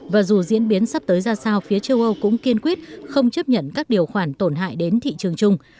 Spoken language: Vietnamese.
và dù diễn biến sắp tới ra sao phía châu âu cũng kiên quyết không chấp nhận các điều khoản tổn hại đến thị trường chung